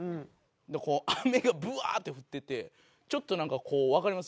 でこう雨がブワーッて降っててちょっとこうわかります？